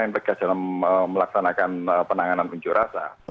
mereka sedang melaksanakan penanganan unjuk rasa